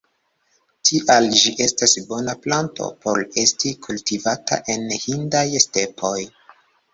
Tial ĝi estas bona planto por esti kultivata en hindaj stepoj.